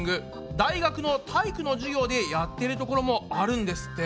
大学の体育の授業でやってるところもあるんですって。